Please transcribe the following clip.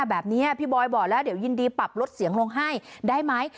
แบบนี้พี่บอยบอกแล้วเดี๋ยวยินดีปรับลดเสียงลงให้ได้ไหม